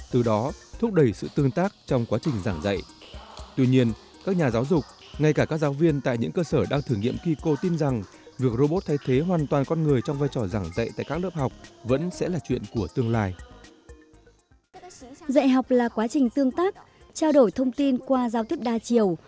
trong quá trình tương tác trao đổi thông tin qua giao tiếp đa chiều